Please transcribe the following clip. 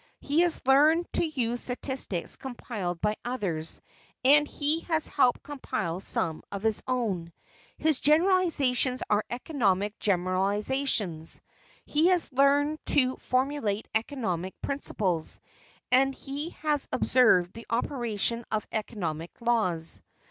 He has learned to use statistics compiled by others, and he has helped compile some of his own. His generalizations are economic generalizations, he has learned to formulate economic principles, and he has observed the operation of economic laws.